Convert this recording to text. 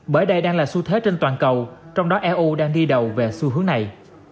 bởi đây đang là xu thế trên toàn cầu trong đó eu đang đi đầu về xu hướng này